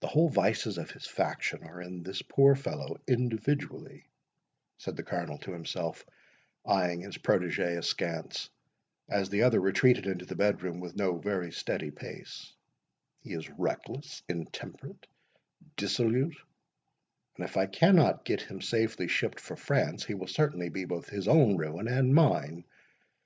"The whole vices of his faction are in this poor fellow individually," said the Colonel to himself, eyeing his protegé askance, as the other retreated into the bedroom, with no very steady pace—"He is reckless, intemperate, dissolute;—and if I cannot get him safely shipped for France, he will certainly be both his own ruin and mine.